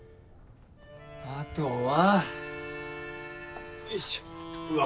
あとはよいしょうわ